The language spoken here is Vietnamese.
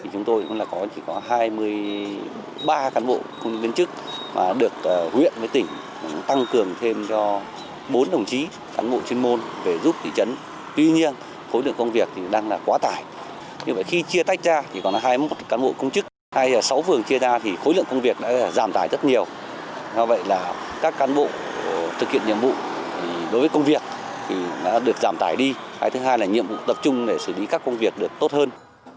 các cán bộ thực hiện nhiệm vụ đối với công việc thì đã được giảm tải đi thứ hai là nhiệm vụ tập trung để xử lý các công việc được tốt hơn